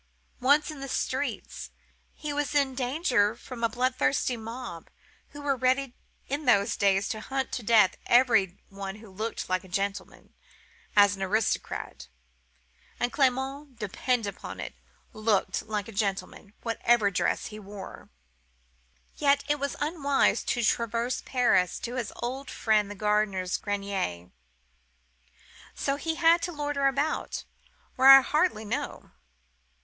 Once in the streets, he was in danger from the bloodthirsty mob, who were ready in those days to hunt to death every one who looked like a gentleman, as an aristocrat: and Clement, depend upon it, looked a gentleman, whatever dress he wore. Yet it was unwise to traverse Paris to his old friend the gardener's grenier, so he had to loiter about, where I hardly know.